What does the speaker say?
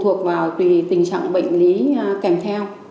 thuộc vào tùy tình trạng bệnh lý kèm theo